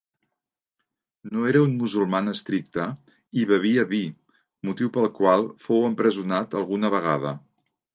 No era un musulmà estricte i bevia vi, motiu pel qual fou empresonat alguna vegada.